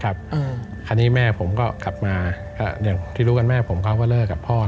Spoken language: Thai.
ครับคราวนี้แม่ผมก็กลับมาอย่างที่รู้แม่ผมก็เริ่มกับพ่อ